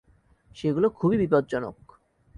সেগুলো খুবই বিপজ্জনক।